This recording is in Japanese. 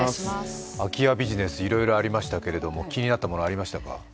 空き家ビジネス、いろいろありましたが気になったもの、ありましたか？